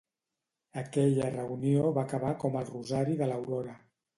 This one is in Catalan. Aquella reunió va acabar com el rosari de l'aurora.